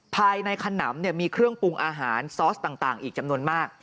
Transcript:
ภายในขนำมีเครื่องปรุงอาหารซอสต่างอีกจำนวนมาก